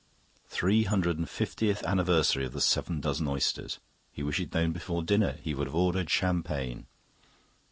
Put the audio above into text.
The three hundred and fiftieth anniversary of the seven dozen oysters...He wished he had known before dinner; he would have ordered champagne.